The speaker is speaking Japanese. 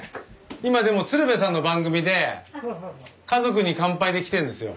今でも鶴瓶さんの番組で「家族に乾杯」で来てんですよ。